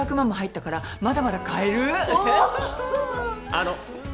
あの。